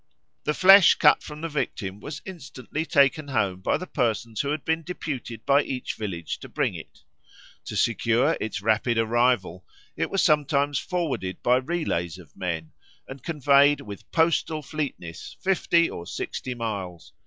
The flesh cut from the victim was instantly taken home by the persons who had been deputed by each village to bring it. To secure its rapid arrival, it was sometimes forwarded by relays of men, and conveyed with postal fleetness fifty or sixty miles.